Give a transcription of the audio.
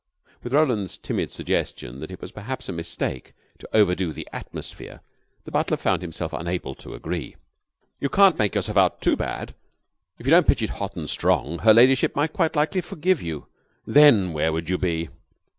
With Roland's timid suggestion that it was perhaps a mistake to overdo the atmosphere, the butler found himself unable to agree. "You can't make yourself out too bad. If you don't pitch it hot and strong, her ladyship might quite likely forgive you. Then where would you be?"